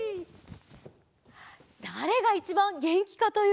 だれがいちばんげんきかというと。